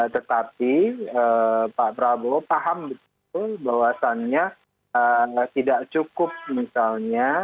tetapi pak prabowo paham betul bahwasannya tidak cukup misalnya